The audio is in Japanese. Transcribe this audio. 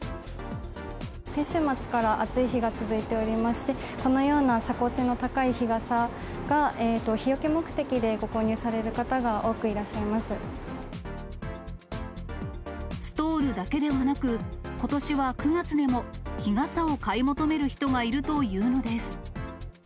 先週末から暑い日が続いておりまして、このような遮光性の高い日傘が日よけ目的でご購入される方が多くストールだけではなく、ことしは９月でも日傘を買い求める人がいるというのです。